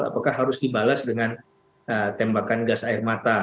apakah harus dibalas dengan tembakan gas air mata